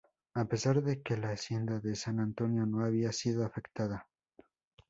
A pesar de que la Hacienda de San Antonio no había sido afectada.